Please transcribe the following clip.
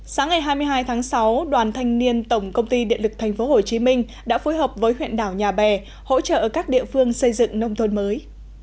sáng ngày hai mươi hai tháng sáu đoàn thanh niên tổng công ty điện lực thành phố hồ chí minh đã phối hợp với huyện đảo nhà bè hỗ trợ các địa phương xây dựng nông thôn mới